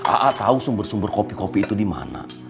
aak tau sumber sumber kopi kopi itu dimana